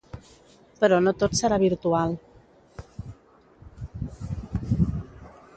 Però no tot serà virtual.